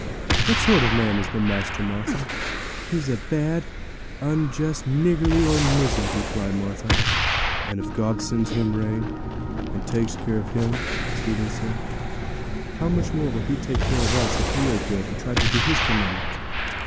What sort of a man is the master, Martha?' 'He's a bad, unjust, niggardly old miser,' replied Martha. 'And if God sends him rain, and takes care of him,' Stephen said, 'how much more care will He take of us, if we are good, and try to do His commandments!'